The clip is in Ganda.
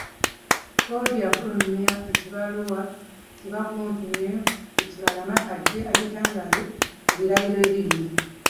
Kkooti yafulumya ekibaluwa kibakuntumye ku Kibalama ajje agitangaaze ku birayiro ebibiri.